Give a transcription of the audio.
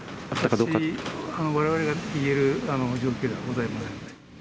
われわれが言える状況ではございませんので。